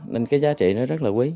nên cái giá trị nó rất là quý